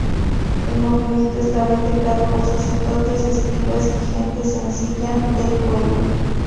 El movimiento estaba integrado por sacerdotes, escribas y gente sencilla del pueblo.